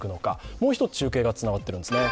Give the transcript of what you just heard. もう一つ、中継がつながっているんですね